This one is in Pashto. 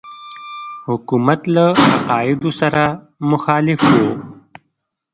حکومت له عقایدو سره مخالف وو.